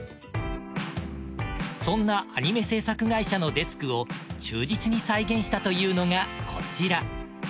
そんなアニメ制作会社のデスクを忠実に再現したというのがこちら。